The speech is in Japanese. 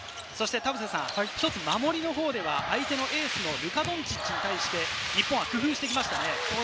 守りの方では相手のエースのルカ・ドンチッチに対して日本は工夫してきましたね。